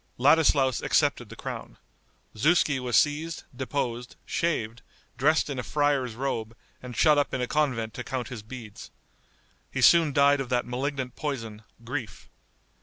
Ladislaus accepted the crown. Zuski was seized, deposed, shaved, dressed in a friar's robe and shut up in a convent to count his beads. He soon died of that malignant poison, grief.